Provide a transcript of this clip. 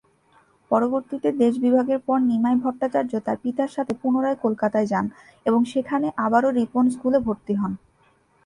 পরবর্তীতে দেশ বিভাগের পর নিমাই ভট্টাচার্য তাঁর পিতার সাথে পুনরায় কলতায় যান এবং সেখানে আবারো রিপন স্কুলে ভর্তি হন।